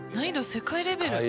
世界レベル。